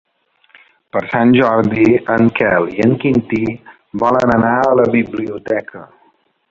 Per Sant Jordi en Quel i en Quintí volen anar a la biblioteca.